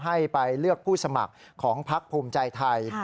ให้ไปเลือกผู้สมัครของพักภูมิใจไทย